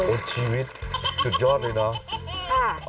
โอ๊ยชีวิตสุดยอดเลยนะ